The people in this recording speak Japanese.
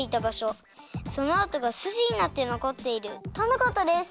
そのあとがすじになってのこっているとのことです！